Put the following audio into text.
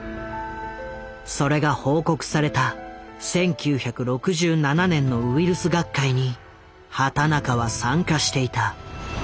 それが報告された１９６７年のウイルス学会に畑中は参加していた。